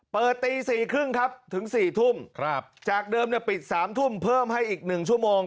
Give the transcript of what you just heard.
ตี๔๓๐ครับถึง๔ทุ่มจากเดิมปิด๓ทุ่มเพิ่มให้อีก๑ชั่วโมง